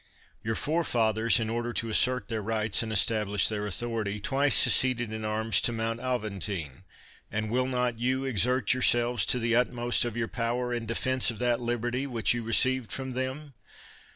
Your forefathers, in order to assert their rights and establish their authority, twice seceded in arms to Mount Aventine; and will not you exert yourselves, to the utmost of your i)ower, in defense of tiiat liberty which you received from them?